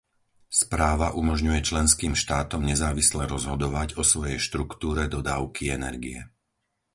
Správa umožňuje členským štátom nezávisle rozhodovať o svojej štruktúre dodávky energie.